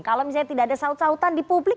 kalau misalnya tidak ada saut sautan di publik